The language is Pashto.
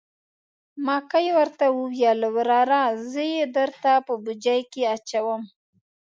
مکۍ ورته وویل: وراره زه یې درته په بوجۍ کې اچوم.